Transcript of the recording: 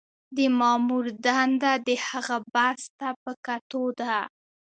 د مامور دنده د هغه بست ته په کتو ده.